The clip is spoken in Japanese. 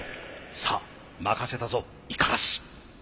さあ任せたぞ五十嵐。